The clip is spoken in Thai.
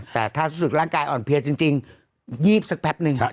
แต่ถ้าร่างกายอ่อนเพือจริงยีบสักแปบหนึ่ง